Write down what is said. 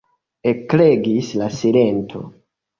Ekregis la silento.